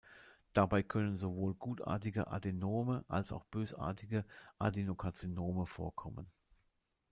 Dabei können sowohl gutartige Adenome als auch bösartige Adenokarzinome vorkommen.